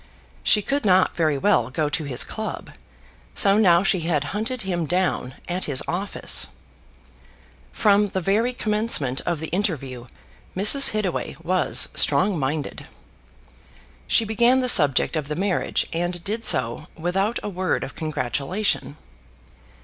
She could not very well go to his club; so now she had hunted him down at his office. From the very commencement of the interview Mrs. Hittaway was strong minded. She began the subject of the marriage, and did so without a word of congratulation.